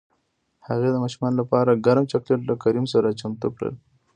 هغې د ماشومانو لپاره ګرم چاکلیټ له کریم سره چمتو کړل